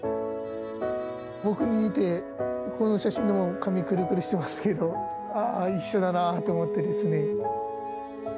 僕に似て、この写真も、髪くるくるしてますけど、ああ、一緒だなと思ってですね。